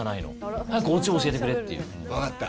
分かった。